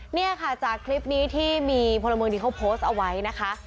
เนี่ยค่ะจากคลิปนี้ที่มีพลเมืองดีเขาโพสต์เอาไว้นะคะ